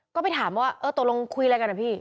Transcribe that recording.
ก็ไปถามว่าเออตกลงคุยอะไรกันนะพี่